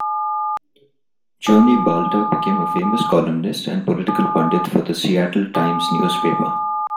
Joni Balter became a famous columnist and political pundit for The Seattle Times newspaper.